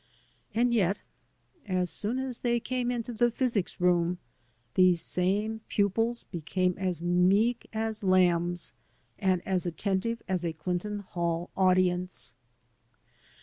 And yet, as soon as they came into the physics room, these same pupils became as meek as lambs and as attentive as a Clinton Hall audience.